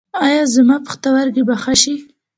ایا زما پښتورګي به ښه شي؟